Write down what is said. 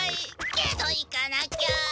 けど行かなきゃ！